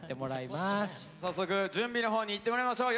早速準備のほうにいってもらいましょう。